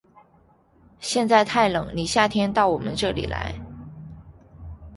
现在太冷，你夏天到我们这里来。